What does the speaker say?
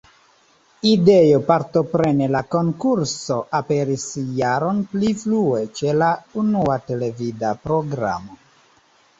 Ideo partopreni la konkurson aperis jaron pli frue, ĉe la unua televida programo.